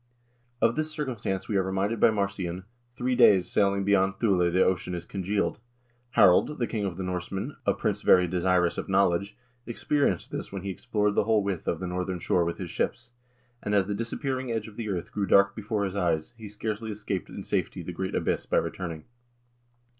Of this circumstance we are reminded by Marcian: 'Three days' sailing beyond Thule the ocean is congealed.' Harald, the king of the Norsemen, a prince very desirous of knowledge, experienced this when he explored the whole width of the northern ocean with his ships, and as the disappearing edge of the earth grew dark before his eyes, he scarcely escaped in safety the great abyss by returning."